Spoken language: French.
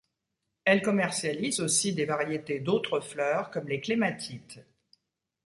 Elle commercialise aussi des variétés d'autres fleurs, comme les clématites.